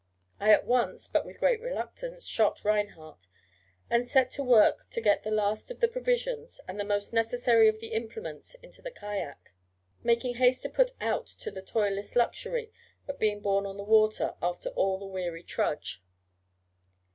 I at once, but with great reluctance, shot Reinhardt, and set to work to get the last of the provisions, and the most necessary of the implements, into the kayak, making haste to put out to the toilless luxury of being borne on the water, after all the weary trudge.